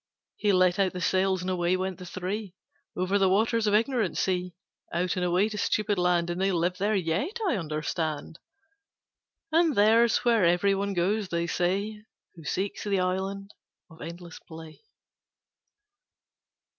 He let out the sails and away went the three Over the waters of Ignorant Sea, Out and away to Stupid Land; And they live there yet, I understand. And there's where every one goes, they say, Who seeks the Island of Endless Play.